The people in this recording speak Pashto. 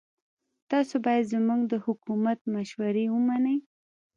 تاسو باید زموږ د حکومت مشورې ومنئ.